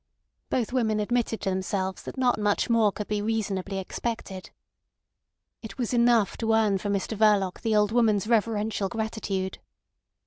Both women admitted to themselves that not much more could be reasonably expected. It was enough to earn for Mr Verloc the old woman's reverential gratitude.